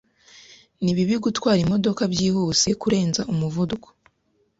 Ni bibi gutwara imodoka byihuse kurenza umuvuduko.